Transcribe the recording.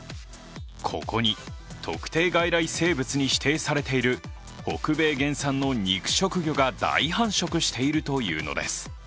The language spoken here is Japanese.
ここに特定外来生物に指定されている北米原産の肉食魚が大繁殖しているというのです。